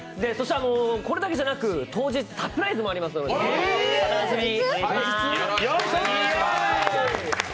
これだけじゃなく当日サプライズもありますので、お楽しみに。